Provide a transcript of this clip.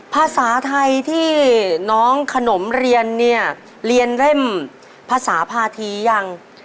ภาษาไทยที่น้องขนมเรียนเนี่ยเรียนเล่มภาษาภาษียัง